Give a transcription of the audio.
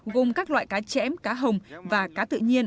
gồm các loại cá chẽm cá hồng và cá tự nhiên